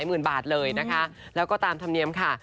ทุกชั่วเจมส์แสดงพวกว่าหลายหมื่นบาทเลยนะคะแล้วก็ตามธรรมเนียมค่ะ